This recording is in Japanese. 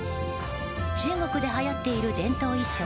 中国ではやっている伝統衣装